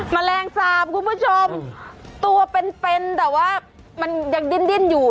แมลงสาบคุณผู้ชมตัวเป็นเป็นแต่ว่ามันยังดิ้นอยู่